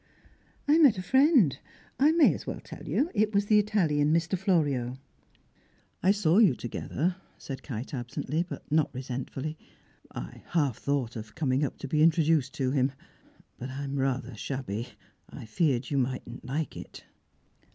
"I met a friend. I may as well tell you; it was the Italian, Mr. Florio." "I saw you together," said Kite absently, but not resentfully. "I half thought of coming up to be introduced to him. But I'm rather shabby, I feared you mightn't like it."